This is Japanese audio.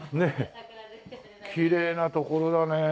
きれいな所だね。